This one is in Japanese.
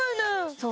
そう